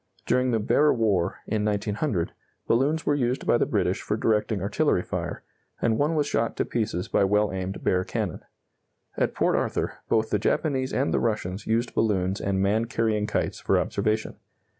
During the Boer War, in 1900, balloons were used by the British for directing artillery fire, and one was shot to pieces by well aimed Boer cannon. At Port Arthur, both the Japanese and the Russians used balloons and man carrying kites for observation.